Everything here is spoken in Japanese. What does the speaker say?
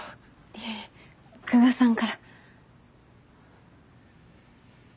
いえいえ久我さんから。